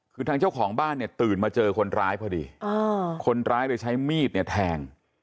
คือทางเจ้าของบ้านเนี่ยตื่นมาเจอคนร้ายพอดีคนร้ายเลยใช้มีดเนี่ยแทง